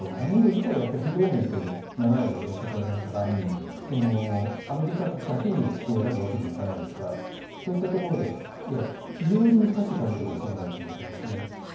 インド自体が非同盟という長い間の原則がありますからアメリカだけを選ぶわけにはいかないですからそういったところで非常に難しいかじ取りを迫られていると思います。